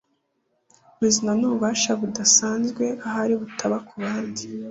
bizana nububasha budasanzwe ahari butaba kubandi.